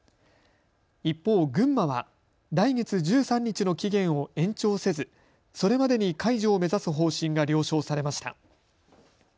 一方、群馬は来月１３日の期限を延長せずそれまでに解除を目指す方針が了承されました。